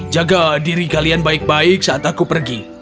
jaga diri kalian baik baik saat aku pergi